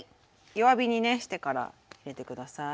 弱火にねしてから入れて下さい。